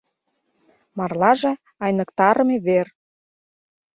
Марлаже — айныктарыме вер.